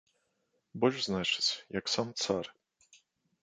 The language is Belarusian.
Больш значыць, як сам цар.